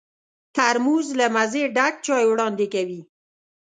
ترموز له مزې ډک چای وړاندې کوي.